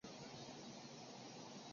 出云尼子氏的家祖。